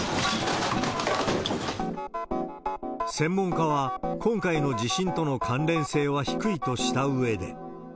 専門家は、今回の地震との関連性は低いとしたうえで。